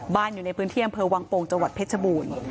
บ้านอยู่ในพื้นเที่ยงเผลอวังโปงจังหวัดเพชรบูรณ์